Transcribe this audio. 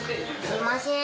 すいません